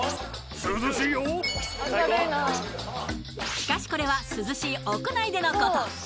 しかしこれは涼しい屋内でのこと